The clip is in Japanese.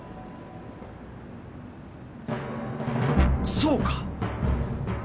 そうか！